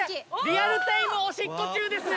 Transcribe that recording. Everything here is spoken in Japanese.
リアルタイムおしっこ中です。